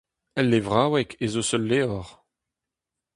El levraoueg ez eus ul levr.